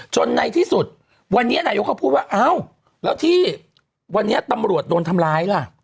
ในที่สุดวันนี้นายกเขาพูดว่าอ้าวแล้วที่วันนี้ตำรวจโดนทำร้ายล่ะ